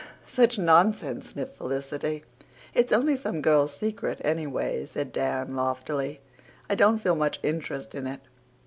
Such nonsense," sniffed Felicity. "It's only some girl's secret, anyway," said Dan, loftily. "I don't feel much interest in it."